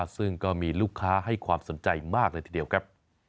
ซึ่งก็มีลูกค้าให้ความสนใจมากเลยทีเดียวครับ